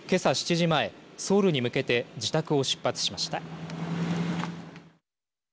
７時前、ソウルに向けて自宅を出発しました。